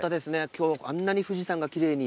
今日あんなに富士山が奇麗に。